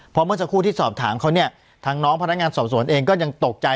เพราะเมื่อสักครู่ที่สอบถามเขาเนี่ยทางน้องพนักงานสอบสวนเองก็ยังตกใจ